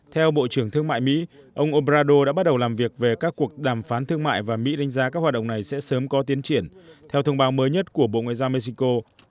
theo bộ trưởng thương mại mỹ ông obrador đã bắt đầu làm việc về các cuộc đàm phán thương mại và mỹ đánh giá các hoạt động này sẽ sớm có tiến triển theo thông báo mới nhất của bộ ngoại giao mexico